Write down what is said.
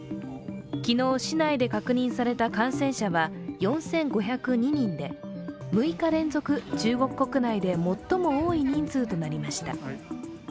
昨日市内で確認された感染者は４５０２人で６日連続、中国国内で最も多い人数となりました。